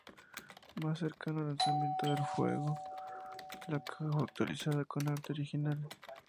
Más cercano al lanzamiento del juego, la caja fue actualizada con arte original.